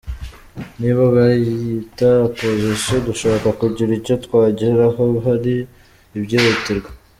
Niba abiyita opposition dushaka kugira icyo twageraho hari ibyihutirwa :